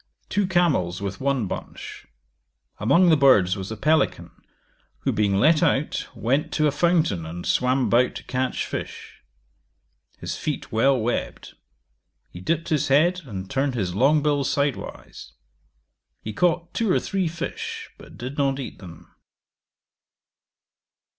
Two camels with one bunch. Among the birds was a pelican, who being let out, went to a fountain, and swam about to catch fish. His feet well webbed: he dipped his head, and turned his long bill sidewise. He caught two or three fish, but did not eat them.